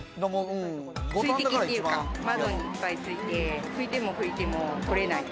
水滴というか、窓にいっぱいついて、拭いても拭いても取れない。